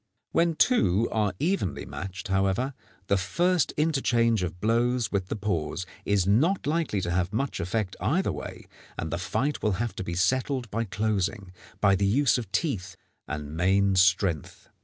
When two are evenly matched, however, the first interchange of blows with the paws is not likely to have much effect either way, and the fight will have to be settled by closing, by the use of teeth and main strength.